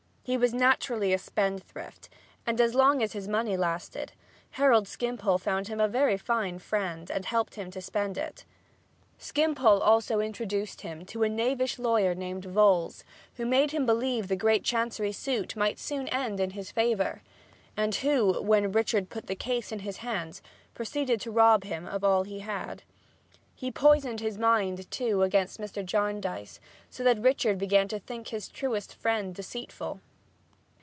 He was naturally a spendthrift, and as long as his money lasted Harold Skimpole found him a very fine friend and helped him spend it. Skimpole also introduced to him a knavish lawyer named Vholes, who made him believe the great chancery suit must soon end in his favor, and who (when Richard had put the case in his hands) proceeded to rob him of all he had. He poisoned his mind, too, against Mr. Jarndyce, so that Richard began to think his truest friend deceitful.